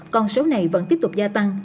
còn số này vẫn tiếp tục gia tăng